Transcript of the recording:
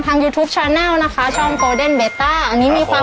ขอบคุณนะคะยินดีค่า